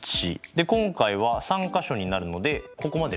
で今回は３か所になるのでここまでですね。